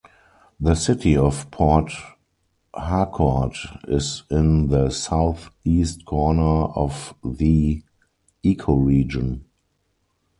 The city of Port Harcourt is in the southeast corner of the ecoregion.